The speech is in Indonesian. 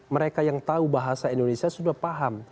mereka yang tahu bahasa indonesia sudah paham